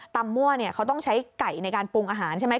มั่วเขาต้องใช้ไก่ในการปรุงอาหารใช่ไหม